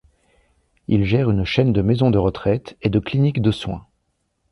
Il gère une chaîne de maisons de retraite et de cliniques de soins.